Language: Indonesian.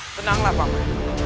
tenanglah pak man